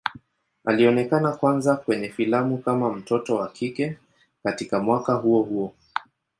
Alionekana kwanza kwenye filamu kama mtoto wa kike katika mwaka huo huo.